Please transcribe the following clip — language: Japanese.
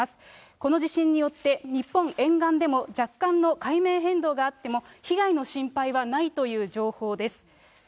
この地震によって日本沿岸でも若干の海面変動があっても、被害の心配はないという情報です。